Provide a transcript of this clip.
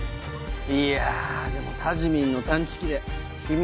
いやでもたじみんの探知機で秘密